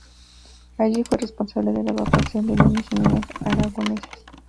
Allí fue responsable de la evacuación de niños y niñas aragoneses.